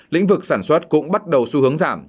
lĩnh vực sản xuất cũng bắt đầu xu hướng giảm